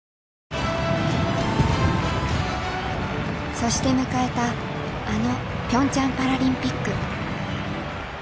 そして迎えたあのピョンチャンパラリンピック。